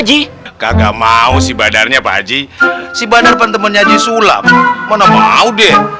sama pak haji kagak mau si badarnya pak haji si badar pantemennya aja sulap mana mau deh